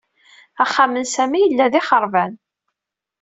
Axxam n Sami yella d ixerban.